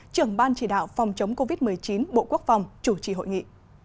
trưởng ban chỉ đạo phòng chống covid một mươi chín bộ quốc phòng chủ trì hội nghị